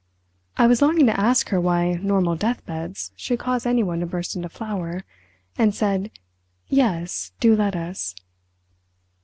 I was longing to ask her why normal deathbeds should cause anyone to burst into flower, and said, "Yes, do let us."